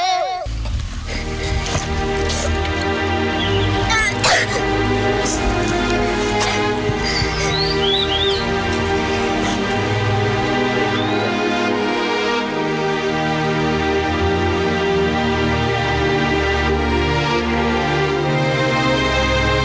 โต๊ะอย่ามาเหอะ